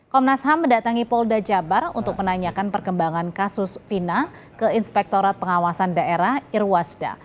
komnas ham mendatangi polda jabar untuk menanyakan perkembangan kasus fina ke inspektorat pengawasan daerah irwasda